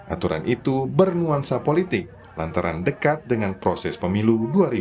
aturan itu bernuansa politik lantaran dekat dengan proses pemilu dua ribu dua puluh